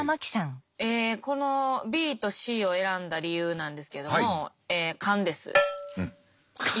えこのＢとＣを選んだ理由なんですけども４文字だ。